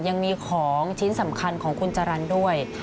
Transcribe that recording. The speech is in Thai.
ยังมีของชิ้นสำคัญของคุณจรรย์ด้วย